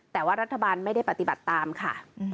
แต่ว่ารัฐบาลไม่ได้ปฏิบัติตามค่ะ